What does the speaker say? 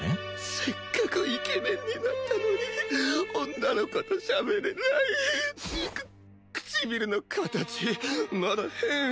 せっかくイケメンになったのに女の子としゃべれないく唇の形まだ変？